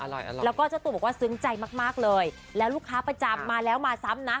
แล้วก็เจ้าตัวบอกว่าซึ้งใจมากมากเลยแล้วลูกค้าประจำมาแล้วมาซ้ำนะ